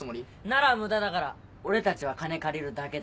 なら無駄だから俺たちは金借りるだけだし。